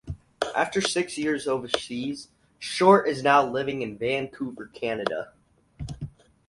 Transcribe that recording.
After six years overseas, Short is now living in Vancouver, Canada.